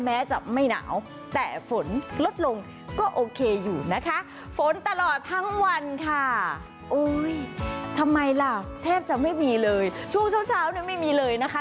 แม้จะไม่หนาวแต่ฝนลดลงก็โอเคอยู่นะคะฝนตลอดทั้งวันค่ะโอ้ยทำไมล่ะแทบจะไม่มีเลยช่วงเช้าเช้าเนี่ยไม่มีเลยนะคะ